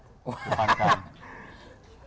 ปานกลาง